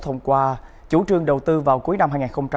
thông qua chủ trương đầu tư vào cuối năm hai nghìn hai mươi